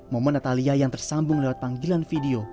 momen natalia yang tersambung lewat panggilan video